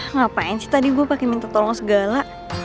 ngapain sih tadi gua pake minta tolong segala